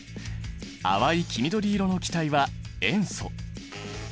淡い黄緑色の気体は塩素。